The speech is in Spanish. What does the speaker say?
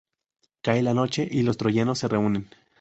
Cae la noche y los troyanos se reúnen.